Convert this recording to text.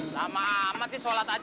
lama amat sih sholat aja